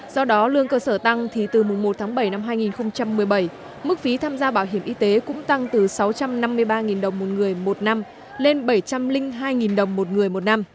do đó lương cơ sở tăng thì từ mùng một tháng bảy năm hai nghìn một mươi bảy mức phí tham gia bảo hiểm y tế cũng tăng từ sáu trăm năm mươi ba đồng một người một năm lên bảy trăm linh hai đồng một người một năm